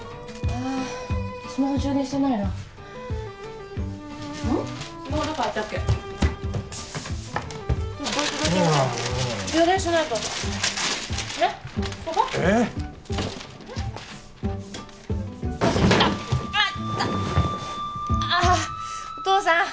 ああっお父さん